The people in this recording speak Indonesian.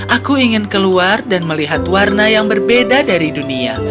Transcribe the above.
aku ingin keluar dan melihat warna yang berbeda dari dunia